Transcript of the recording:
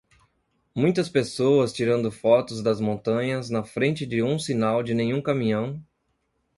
muitas pessoas tirando fotos das montanhas na frente de um sinal de nenhum caminhão